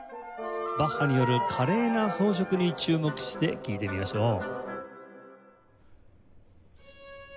バッハによる華麗な装飾に注目して聴いてみましょう。